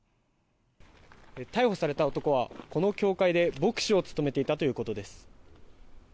逮捕された男はこの教会で牧師を務めていたということです。